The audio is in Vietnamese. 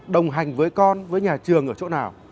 đồng hành với con với nhà trường ở chỗ nào